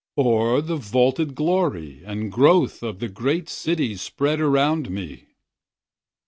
Or the vaunted glory and growth of the great city spread around me?